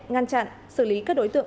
ngăn chặn xử lý các đối tượng